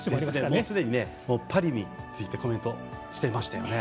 もうすでにパリについてコメントしていましたよね。